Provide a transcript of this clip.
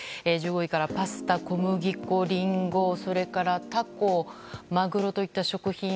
１５位からパスタ、小麦粉リンゴ、タコ、マグロといった食品。